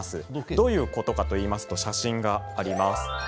どういうことかといいますと写真があります。